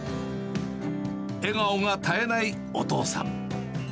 笑顔が絶えないお父さん。